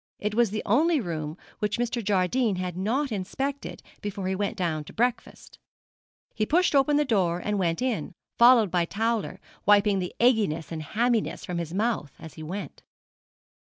It was the only room which Mr. Jardine had not inspected before he went down to breakfast. He pushed open the door, and went in, followed by Towler, wiping the egginess and haminess from his mouth as he went.